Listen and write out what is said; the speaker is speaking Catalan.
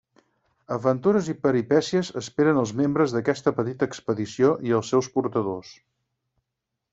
Aventures i peripècies esperen els membres d'aquesta petita expedició i els seus portadors.